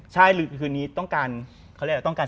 ใช่คือนี้ต้องการ